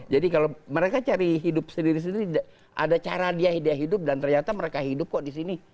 jadi kalau mereka cari hidup sendiri sendiri ada cara dia hidup dan ternyata mereka hidup kok di sini